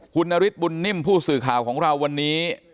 คุณนฤทธบุญนิ่มผู้สื่อข่าวของเราวันนี้